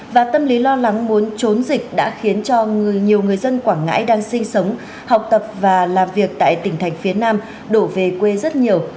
và tâm lý lo lắng muốn trốn dịch đã khiến cho nhiều người dân quảng ngãi đang sinh sống học tập và làm việc tại tỉnh thành phía nam đổ về quê rất nhiều